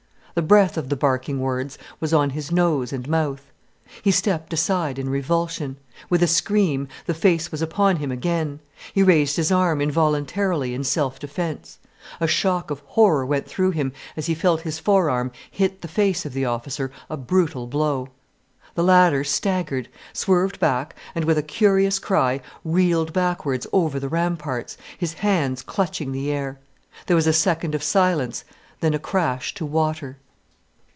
The breath of the barking words was on his nose and mouth. He stepped aside in revulsion. With a scream the face was upon him again. He raised his arm, involuntarily, in self defence. A shock of horror went through him, as he felt his forearm hit the face of the officer a brutal blow. The latter staggered, swerved back, and with a curious cry, reeled backwards over the ramparts, his hands clutching the air. There was a second of silence, then a crash to water.